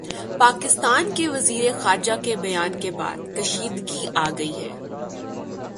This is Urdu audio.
پاکستان کے وزیر خارجہ کے بیان کے بعد کشیدگی آگئی ہے